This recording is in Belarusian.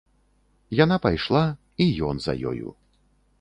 Яна пайшла, і ён за ёю.